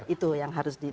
itu yang harus didukung